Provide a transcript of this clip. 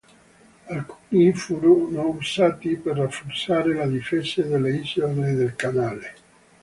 Alcuni furono usati per rafforzare le difese delle isole del Canale.